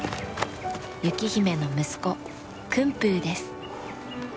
雪姫の息子薫風です。